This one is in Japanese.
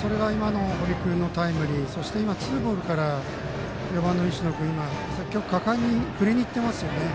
それが今の堀君のタイムリーそしてツーボールから４番の石野君、積極的に果敢に振りにいってますよね。